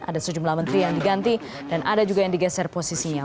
ada sejumlah menteri yang diganti dan ada juga yang digeser posisinya